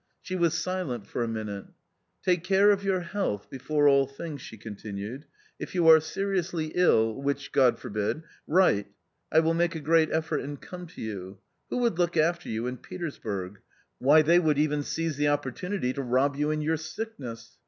She was silent for a minute. " Take care of your health before all things," she con tinued. " If you are seriously ill — which God forbid !— write. I will make a great effort and come to you. Who would look after you in Petersburg ? Why they would even seize the opportunity to rob you in your sickness.